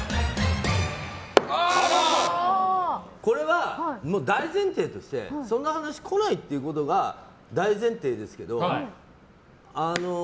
これは大前提としてそんな話、来ないっていうことが大前提ですけど。